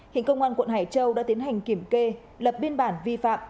hiện công an quận hải châu đã tiến hành kiểm kê lập biên bản vi phạm